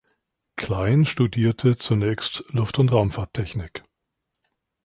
Klein studierte zunächst Luft- und Raumfahrttechnik.